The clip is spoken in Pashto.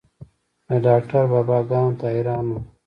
د ډاکتر بابا ګانو ته حيران وم.